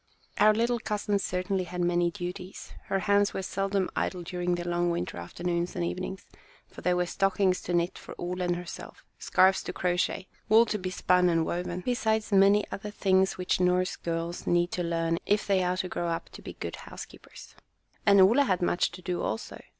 Our little cousin certainly had many duties. Her hands were seldom idle during the long winter afternoons and evenings, for there were stockings to knit for Ole and herself, scarfs to crochet, wool to be spun and woven, besides many other things which Norse girls need to learn if they are to grow up to be good housekeepers. And Ole had much to do, also.